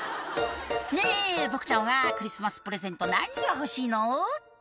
ねぇボクちゃんはクリスマスプレゼント何が欲しいの？